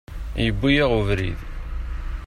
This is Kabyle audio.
Iwwi-yaɣ uberriḍ.